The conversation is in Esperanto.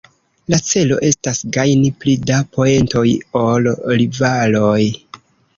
La celo estas gajni pli da poentoj ol rivaloj.